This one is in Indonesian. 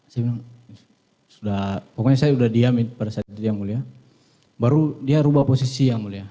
jadi pokoknya saya sudah diam pada saat itu baru dia ubah posisi